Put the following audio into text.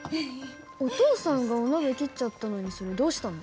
お父さんがお鍋切っちゃったのにそれどうしたの？